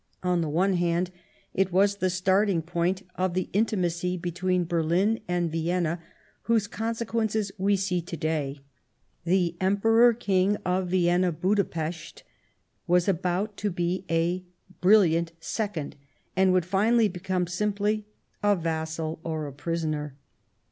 On the one hand, it was the starting point of the intimacy be tween Berlin and Vienna whose consequences we see to day ; the Emperor King of Vienna Budapest was about to be a " brilliant second " and would finally become simply a vassal or a prisoner.